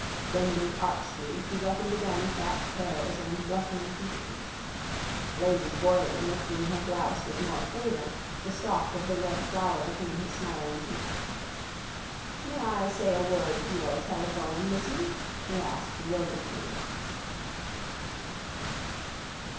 Bending archly she reckoned again fat pears and blushing peaches. Blazes Boylan looked in her blouse with more favour, the stalk of the red flower between his smiling teeth. —May I say a word to your telephone, missy? he asked roguishly.